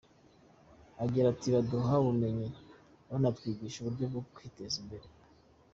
Agira ati “Baduha ubumenyi banatwigisha uburyo bwo kwiteza imbere.